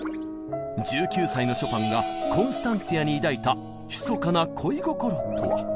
１９歳のショパンがコンスタンツィアに抱いたひそかな恋心とは？